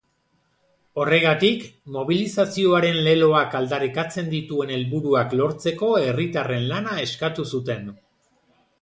Horregatik, mobilizazioaren leloak aldarrikatzen dituen helburuak lortzeko herritarren lana eskatu zuten.